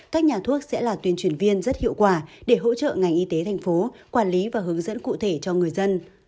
các nhà thuốc sẽ là tuyên truyền viên rất hiệu quả để hỗ trợ ngành y tế thành phố quản lý và hướng dẫn cụ thể cho người dân